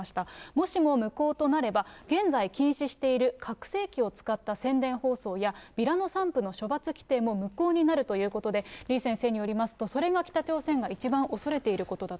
もしも無効となれば、現在禁止している、拡声器を使った宣伝放送や、ビラの散布の処罰規定も無効になるということで、李先生によりますと、それが北朝鮮が一番恐れていることだと。